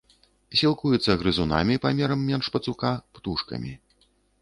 Сілкуецца грызунамі памерам менш пацука, птушкамі.